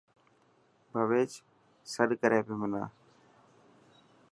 ڀويش سڏ ڪري پيو منا.